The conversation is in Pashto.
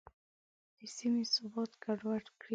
د سیمې ثبات ګډوډ کړي.